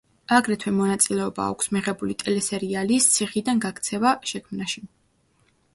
აგრეთვე მონაწილეობა აქვს მიღებული ტელესერიალის, „ციხიდან გაქცევა“ შექმნაში.